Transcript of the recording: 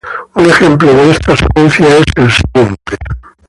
Un ejemplo de esta secuencia es el siguiente.